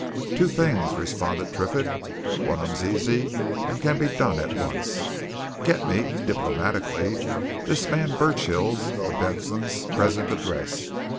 "Two things," responded Triffitt. "One of 'em's easy, and can be done at once. Get me diplomatically this man Burchill's, or Bentham's, present address.